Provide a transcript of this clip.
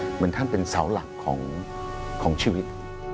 เหมือนท่านเป็นเสาหลักของชีวิต